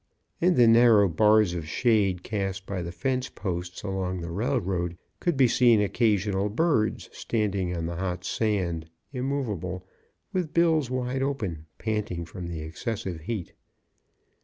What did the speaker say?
In the narrow bars of shade cast by the fence posts along the railroad, could be seen occasional birds, standing on the hot sand, immovable, with bills wide open, panting from the excessive heat.